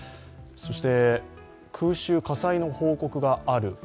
そして空襲、火災の報告がある。